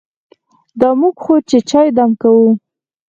دا موږ خو چې چای دم کوو.